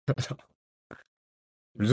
私の好きな食べ物はイチゴです。